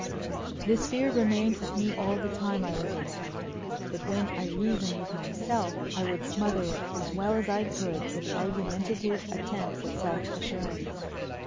This fear remained with me all the time I was away, but when I reasoned with myself I would smother it as well as I could with argumentative attempts at self assurance.